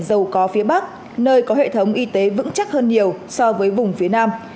giàu có phía bắc nơi có hệ thống y tế vững chắc hơn nhiều so với vùng phía nam